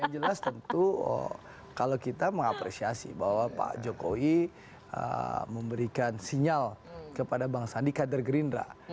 yang jelas tentu kalau kita mengapresiasi bahwa pak jokowi memberikan sinyal kepada bang sandi kader gerindra